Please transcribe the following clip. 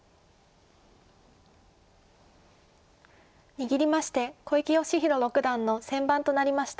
握りまして小池芳弘六段の先番となりました。